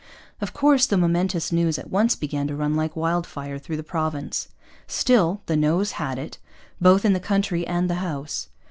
Of course the momentous news at once began to run like wildfire through the province. Still, the 'Noes had it,' both in the country and the House.